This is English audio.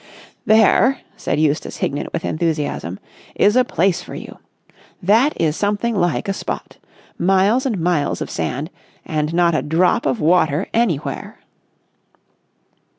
There," said Eustace Hignett with enthusiasm, "is a place for you! That is something like a spot. Miles and miles of sand and not a drop of water anywhere!"